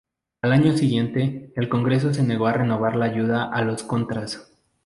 Al año siguiente, el Congreso se negó a renovar la ayuda a los Contras.